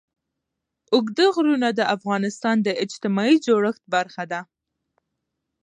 اوږده غرونه د افغانستان د اجتماعي جوړښت برخه ده.